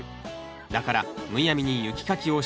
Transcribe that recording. だからむやみに雪かきをしないんです。